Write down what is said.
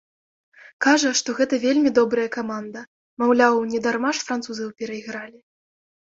Кажа, што гэта вельмі добрая каманда, маўляў, не дарма ж французаў перайгралі.